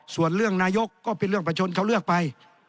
ส่วนเรื่องนายกก็เป็นเรื่องประชนเขาเลือกไป